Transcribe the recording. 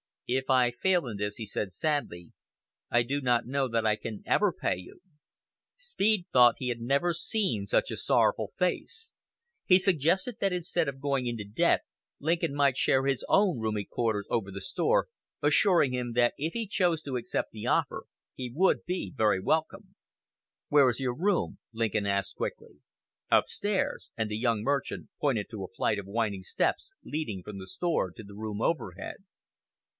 "If I fail in this," he said sadly, "I do not know that I can ever pay you." Speed thought he had never seen such a sorrowful face. He suggested that instead of going into debt, Lincoln might share his own roomy quarters over the store, assuring him that if he chose to accept the offer, he would be very welcome. "Where is your room?" Lincoln asked quickly. "Upstairs," and the young merchant pointed to a flight of winding steps leading from the store to the room overhead.